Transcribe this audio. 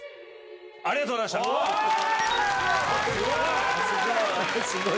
ありがとうございまおー。